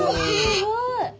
すごい！